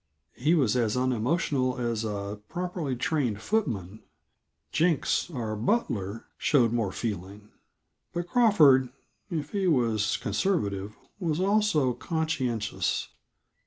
He was as unemotional as a properly trained footman; Jenks, our butler, showed more feeling. But Crawford, if he was conservative, was also conscientious.